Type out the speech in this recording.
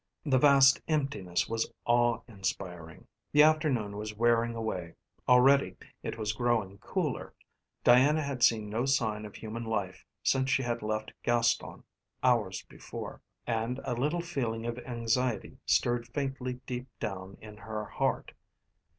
The vast emptiness was awe inspiring. The afternoon was wearing away; already it was growing cooler. Diana had seen no sign of human life since she had left Gaston hours before and a little feeling of anxiety stirred faintly deep down in her heart.